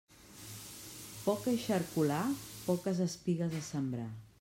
Poc eixarcolar, poques espigues a sembrar.